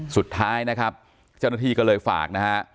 สุดท้ายเจ้าหน้าที่ก็เลยฝาก